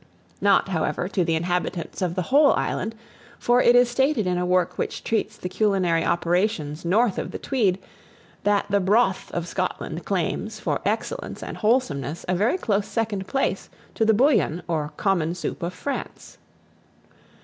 Not, however, to the inhabitants of the whole island; for, it is stated in a work which treats of culinary operations, north of the Tweed, that the "broth" of Scotland claims, for excellence and wholesomeness, a very close second place to the bouillon, or common soup of France.